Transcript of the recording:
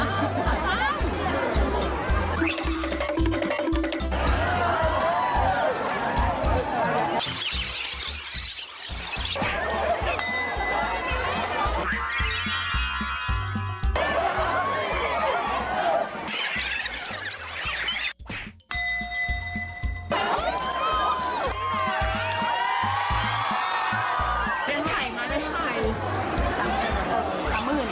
มีประโยชน์ใช้ได้ไหม